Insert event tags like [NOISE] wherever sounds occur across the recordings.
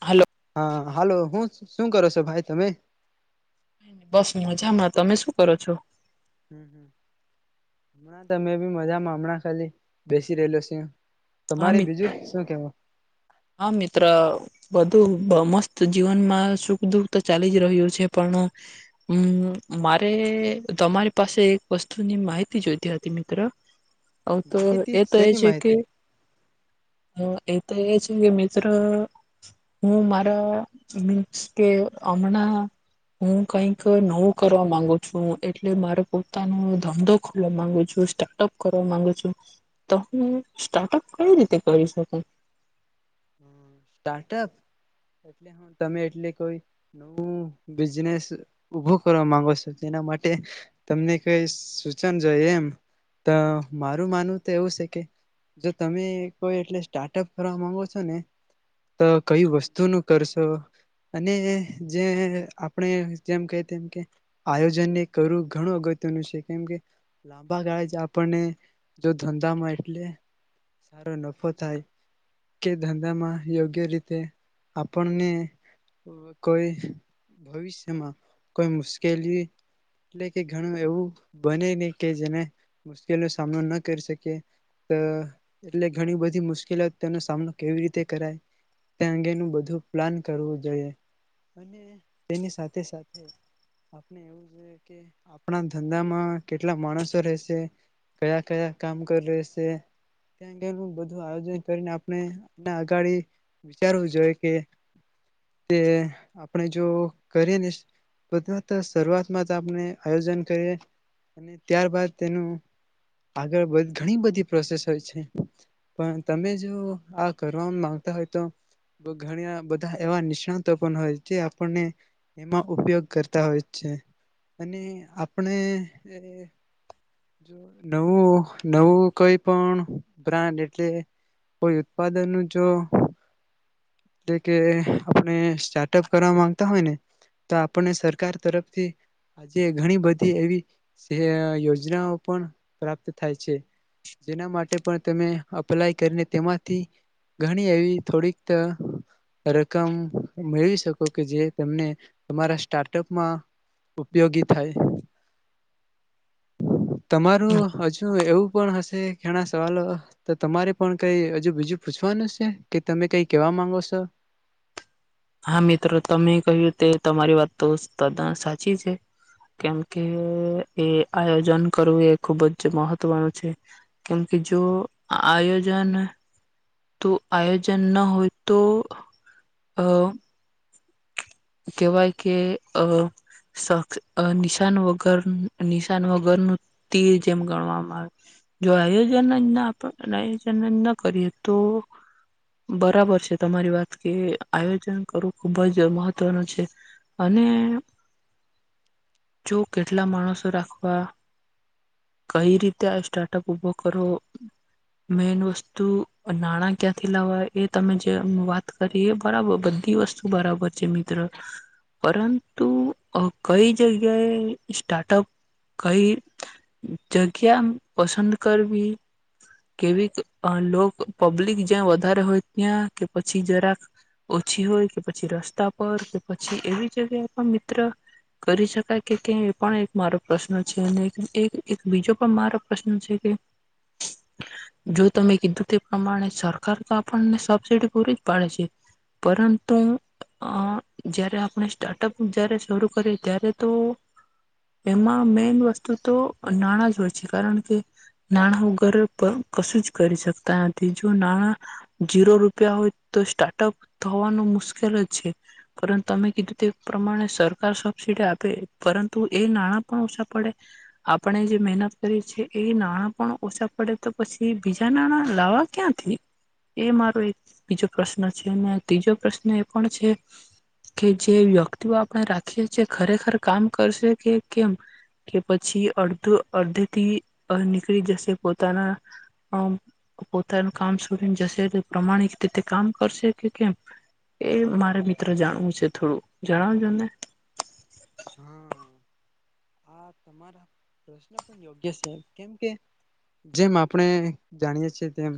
Hello. હા hello. હું શું કરો સો ભાઈ તમે? બસ મજામાં. તમે શું કરો છો? હા તમે બી મજામાં. હમણાં ખાલી બેસી રહેલો સે. હા તમારે મિત બીજું શું કહેવું? હા મિત્ર. બધું મસ્ત જીવનમાં સુખ દુઃખ તો ચાલી જ રહ્યું છે, પણ હમ્મ, મારે તમારી પાસે એક વસ્તુની માહિતી જોઈતી હતી મિત્ર. ઓવ તો માહિતી એ તો એ શેની છે કે માહિતી અહ એ તો એ છે કે મિત્ર હું મારા મ કે હમણાં હું કઈક નવું કરવા માંગુ છું એટલે મારો પોતાનો ધંધો ખોલવા માંગુ છું સ્ટાર્ટઅપ કરવા માંગુ છું, તો હું સ્ટાર્ટઅપ કઈ રીતે કરી શકું? સ્ટાર્ટઅપ એટલે હું તમે એટલે કોઈ નવું બિઝનેસ ઉભું કરવા માંગો છો તેના માટે, તમને કઈ સૂચન જોય એમ, તો મારું માનવું તો એવું છે કે, જો તમે કોઈ એટલે સ્ટાર્ટઅપ કરવા માંગો છો ને. તો કઈ વસ્તુ ન કરશો, અને જે આપણે જેમ કે તેમ, કે આયોજનને કરવું ઘણું અગત્યનું છે કેમ કે, લાંબા ગાળ જ આપણને જો ધંધામાં એટલે સારો નફો થાય કે ધંધામાં યોગ્ય રીતે આપણને કોઈ ભવિષ્યમાં કોઈ મુશ્કેલી એટલે કે ઘણું એવું બને નહીં કે જેને મુશ્કેલીનો સામનો ન કરી શકે, એટલે ઘણી બધી મુશ્કેલીઓ તેનો સામનો કેવી રીતે કરાય. અંગેનું બધું પ્લાન કરવું જોઈએ, અને તેની સાથે સાથે આપણે એવું જોઈએ કે આપણા ધંધામાં કેટલા માણસો રહેશે, કયા કયા કામ કર રહેશે, તે અંગેનું બધું આયોજન કરીને આપણે અગડી વિચારવું જોઈ કે તે આપણે જો કરીએ ને બધાત શરૂઆતમાં આપણે આયોજન કરીએ, અને ત્યારબાદ તેનું આગળ ઘણી બધી પ્રોસેસ હોય છે, પણ તમે જો આ કરવાગ હોય તો, ઘણી બધા એવા નિષ્ણાતો પણ હોય જે આપણને, એમાં ઉપયોગ કરતા હોય છે, અને આપણે જો નવું નવું કોઈ પણ બ્રાન્ડ એટલે કોઈ ઉત્પાદન નું જો એટલે કે આપણે સ્ટાર્ટઅપ કરવા માંગતા હોય ને તો આપણને સરકાર તરફથી. જ ઘણી બધી એવી સ યોજ યોજનાઓ પણ પ્રાપ્ત થાય છે, જેના માટે પણ તમે અપ્લાય કરીને તેમાંથી ઘણી એવી થોડીક રકમ મેળવી શકો કે જે તમને, તમારા સ્ટાર્ટઅપમાં ઉપયોગી થાય. હમ [INAUDIBLE] તમારું હજુ એવું પણ હશે ઘણા સવાલો તો તમારે પણ કઈ હજુ બીજું પૂછવાનું છે કે તમે કઈ કેવા માંગો છો? હા મિત્રો તમે કહ્યું તે તમારી વાત તો તદા સાચી છે, કેમકે એ આયોજન કરવું એ ખુબ જ મહત્વનું છે, કેમકે જો આયોજન તો આયોજન ન હોય તો, અ કેવાય કે અ નિશાન વગર નિશાન વગરનું તીર જેમ ગણવામાં, આવે જો આયોજન જ આયોજન ના કરીએ તો, બરાબર છે તમારી વાત કે આયોજન કરવું ખુબ જ મહત્ અને જો કેટલા માણસો રાખવા, કઈ રીતે આ સ્ટાર્ટઅપ ઉભો કરો, મેન વસ્તુ નાણા ક્યાંથી લાવવા એ તમે જે વાત કરી એ બરાબર બધી વસ્તુ બરાબર છે. પરંતુ કઈ જગ્યાએ સ્ટાર્ટઅપ કઈ જગ્યા પસંદ કરવી, કેવી લોક પબ્લિક જ્યાં વધારે હોય ત્યાં કે પછી જરાક ઓછી હોય કે પછી રસ્તા પણ પછી એવી જગ્યાએ પણ મિત્ર કરી શકાય કે કે એ પણ એક મારો પ્રશ્ન છે અને એક બીજો પણ મારો પ્રશ્ન છે કે જો તમે કીધું તે પ્રમાણે સરકાર પણ આપણને સબસીડી પૂરી જ પાડે છે પરંતુ અ જય્યારે આપણે સ્ટાર્ટઅપ જયારે શરૂ કરીએ ત્યારે તો એમાં મેન વસ્તુ તો નાણાં જ હોય છે કારણ કે નાણાં વગર કશું જ કરી શકતા નથી જો નાણાં જીરો રૂપિયા હોય તો સ્ટાર્ટઅપ થવાનું મુશ્કેલ જ છે. પરંતુ તમે કીધું તે પ્રમાણે સરકાર સબસીિડ આપે પરંતુ એ નાણાં પણ ઓછા પડે આપણે જે મહેનત કરી છીએ નાણાં પણ ઓછા પડે તો પછી બીજા નાણાં લાવવા ક્યાંથી? એ મારો એક બીજો પ્રશ્ન છે અને ત્રીજો પ્રશ્ન એ પણ છે કે જે વ્યક્તિઓ આપણે રાખીએ છીએ ખરેખર કામ કરશે કે કેમ કે પછી અડધો અડધેથી અ નીકળી જશે પોતાના અમ પોતાનું કામ સુધી જશે પ્રમાણિક રીતે કામ કરશે કે કેમ એ મારે મિ ત્ર જાણવું છે થોડું જણાવજોને. હા આ તમારા પ્રશ્ન પણ યોગ્ય છે કેમકે જેમ આપણે જાણીએ છીએ તેમ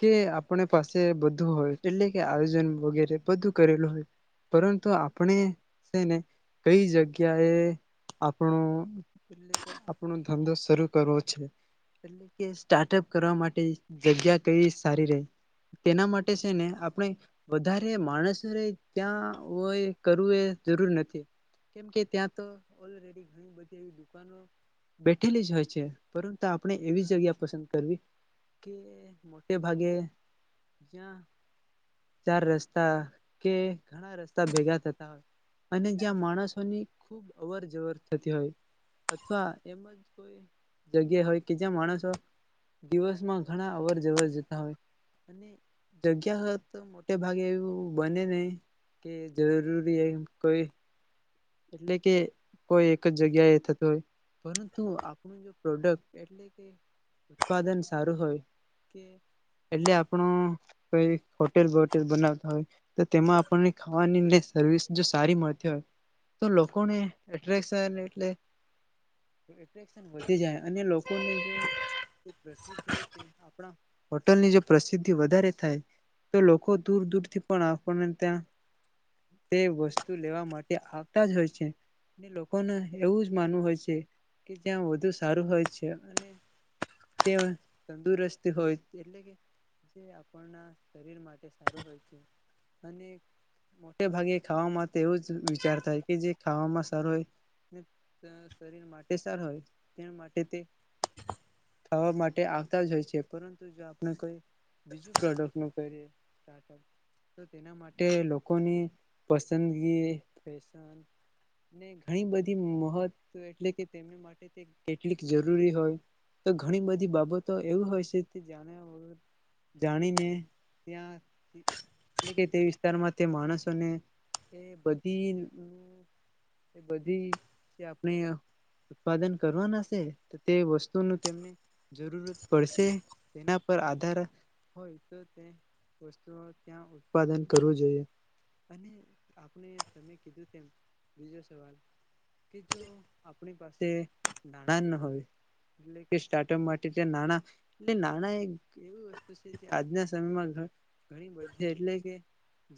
કે આપણે પાસે બધું હોય એટલે કે આયોજન વગેરે બધું કરેલું હોય પરંતુ આપણે શેને કઈ જગ્યાએ આપણો એટલે કે ધંધો શરૂ કરવો છે એટલે કે સ્ટાર્ટઅપ કરવા માટે જગ્યા કઈ સારી રહે તેના માટે શે ને આપણે વધારે માણસ ત્યાં કરવું એ જરૂર નથી કેમકે ત્યાં તો ઓલરેડી ઘણી બધી એવી દુકાનો બેઠેલી જ હોય છે પરંતુ આપણે એવી જગ્યા પસંદ કરવી કે મોટે ભાગે જ્યાં ચાર રસ્તા કે ઘણા રસ્તા ભેગા થતા હોય. અને જ્યાં માણસોની ખૂબ અવર જવર થતી હોય અથવા એમ જ કોઈ જગ્યા હોય કે જ્યાં માણસો દિવસમાં ઘણા અવર જવર જતા હોય અને જગ્યા તો મોટે ભાગે એવું બને નહી કે જરૂરી એમ કોઈ એટલે કે કોઈ એક જ જગ્યાએ થતું હોય પરંતુ આપણું જો પ્રોડક્ટ એટલે કે ઉત્પાદન સારું હોય કે એટલે આપણો કઈ હોટેલ બોટેલ બનાવતા હોય તો તેમાં આપણને ખાવાની ને સર્વિસ જો સારી મળતી હોય તો લોકોને એટ્રેક્શન એટલે એટ્રેક્શન વધી જાય અને લોકોને જો ખૂબ પ્રસિદ્ધિ તો આપણા હોટલ ની જો પ્રસિદ્ધિ વધારે થાય તો લોકો દૂર દૂરથી પણ આપણને ત્યાં તે વસ્તુ લેવા માટે આવતા જ હોય છે. ને લોકોનેએવું જ માનવું હોય છે કે જ્યાં વધુ સારું હોય છે અને તે તંદુરસ્ત હોય એટલે કે જે આપણના શરીર માટે સારું હોય છે અને મોટે ભાગે ખાવામાં એવું જ વિચાર થાય કે જે ખાવામાં સારું હોય શરીર માટે સારું હોય તે માટે તે ખાવા માટે આવતા જ હોય છે પરંતુ જો આપણે કોઈ બીજું પ્રોડક્ટ નું કરીએ સ્ટાર્ટઅપ તો તેના માટે લોકોની પસંદગી, ફેશન ઘણી બધી મહત્વ એટલે કે તેમને માટે કેટલીક જરૂરી હોય તો ઘણી બધી બાબતો એવી હોય છે તે જાણ્યા વગર જાણીને ત્યાં એટલે કે તે વિસ્તારમાં તે માણસોને એ બધી બધી જે આપણે ઉત્પાદન કરવાના શે તો તે વસ્તુનું તેમને જરૂરત પડશે તેના પર આધાર હોય તો તે વસ્તુ ત્યાં ઉત્પાદન કરવું જોઈએ અને આપને તમે કીધું તેમ બીજો સવાલ કે જો આપણી પાસે નાણાં ન હોય એટલે કે સ્ટાર્ટઅપ માટે નાણાં એટ નાણાં એક એવી વસ્તુ છે આજના સમયમાં ઘણી બધી એટલે કે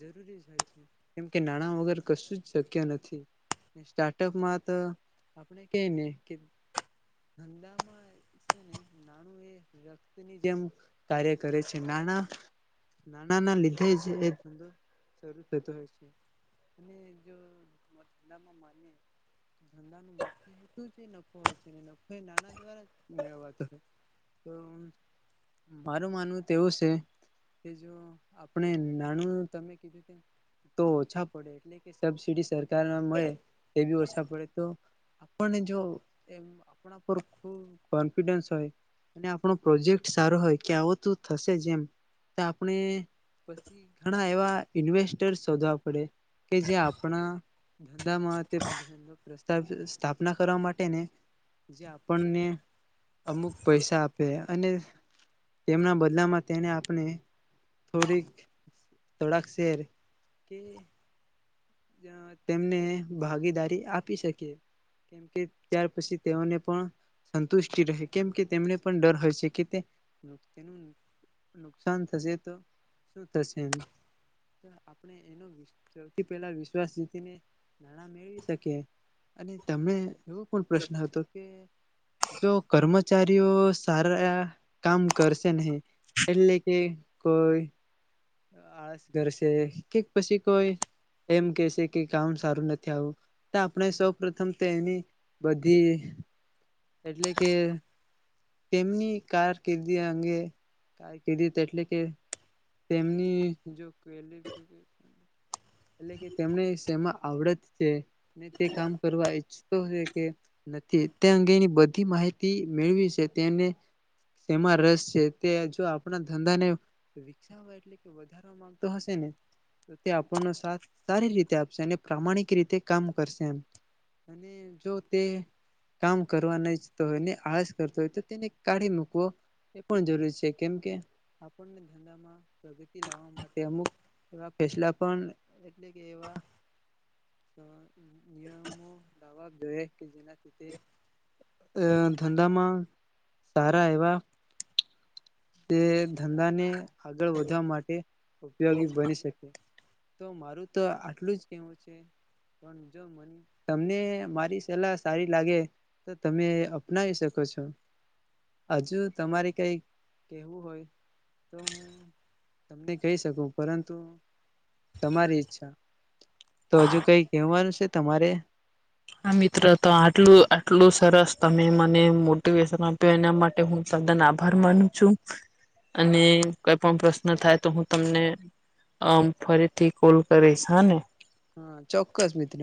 જરૂરી જહોય છે કેમ કે નાણાં વગર કશું જ શક્ય નથી. ને સ્ટાર્ટઅપમાં તો આપણે કેયને કે ધંધામાં છે નાણું એ વ્યક્તની જેમ કાર્ય કરે છે નાણાં નાણાંના લીધે જ એ ધંધો શરૂ થતો હોય છે અને જો [UNINTELLIGIBLE] મળે એવી વ પડે તો આપણને જો એમ આપણા પર ખૂબ કોન્ફિડન્સ હોય અને આપણો પ્રોજેક્ટ સારો હોય કે આવું તો થશે જ એમ તો આપણે પછી ઘણા એવા ઇન્વેસ્ટર્સ શોધવા પડે કે જે આપણા ધંધામાં તે ધંધો પ્રસ્ સ્થાપના કરવા માટે ને જે આપણને અમુક પૈસા આપે. અને તેમના બદલામાં તેને આપણે થોડીક તડાક શેર કે તેમને ભાગીદારી આપી શકીએ કેમ કે ત્યાર પછી તેઓને પણ સંતુષ્ટિ રહે કેમ કે તેમને પણ ડર હોય છે તેનું નુકસાન થશે તો શું થશે આપણે એ સૌથી પહેલા શ્વાસ જીતીને નાણાં મેળવી શકીએ અને તમે એવો પણ પ્રશ્ન હતો કે જો કર્મચારીઓ સારા કામ કરશે નહીં એટલે કે કોઈ આળસ ઘરશે કે પછી કોઈ એમ કેહશે કે કામ સારું નથી આવું તો આપણે સૌ પ્રથમ તો એની બધી એટલે કે તેમની કારકિર્દી અંગે કારકિર્દી ત એટલે કે તેમની જો એટલે કે તેમને શેમાં આવડત છે? ને તે કામ કરવા ઈચ્ હોય કે નથી તે અંગેની બધી માહિતી મેળવી છે તેને તેમાં રસ છે તે જો આપણા ધંધાને વિકસાવવા એટલે કે વધારવા માંગતો હશે ને તો તે આપણનો સાથ સારી રીતે આપશે અને પ્રામાણિક રીતે કામ કરશે એમ અને જો તે કામ કરવા ન ઈચ્છતો હોય ને આળસ કરતો હોય તો તેને કાઢી મૂકવો એ પણ જરૂરી છે કેમકે આપણને ધંધામાં પ્રગતિ લાવવા માટે અમુક એવા ફેસલા પણ એટલે કે એવા [INAUDIBLE] જવા દઈએ કે તેના લીધે અ ધંધામાં સારા એવા તે ધંધાને આગળ વધવા માટે ઉપયોગી બની શકે. તો મારું તો આટલું જ કેવું છે પણ જો મ તમને મારી સલાહ સારી લાગે તો તમે અપનાવી શકો છો. હજુ તમારે કઈ કહેવું હોય તો હું તમને કહી શકું પરંતુ તમારી ઈચ્છા. તો હજુ કઈ કહેવાનું છે તમારે? હા, મિત્ર તો આટલું આટલું સરસ તમે મને મોટિવેશન આપ્યો એના માટે હું તદન આભાર માનું છું અને કઈ પણ પ્રશ્ન થાય તો હું તમને અ ફરીથી કોલ કરીશ. હઅને? હા, ચોક્કસ મિત્ર.